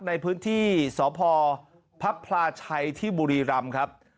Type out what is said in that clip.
ในพื้นที่สพพับพลาชัยที่บุรีรำครับ